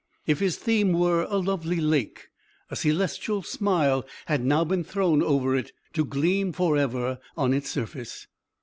If his theme were a lovely lake, a celestial smile had now been thrown over it, to gleam forever on its surface.